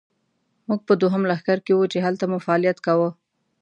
موږ په دوهم لښکر کې وو، چې هلته مو فعالیت کاوه.